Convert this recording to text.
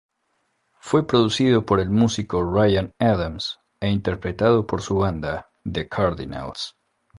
Fue producido por el músico Ryan Adams e interpretado por su banda, The Cardinals.